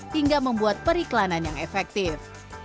hingga membuat periklanan yang efektif